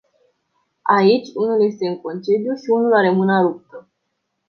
Aici, unul este în concediu și unul are mâna ruptă.